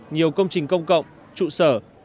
nhiều công trình công cộng trụ sở trường học